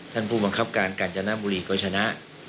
ท่านผู้บังคับการการจน้ำบุรีก็ชนะ